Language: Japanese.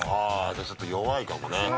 じゃあちょっと弱いかもね。